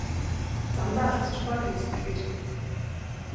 Замдаа алдчихав аа гэж захиж гэнэ.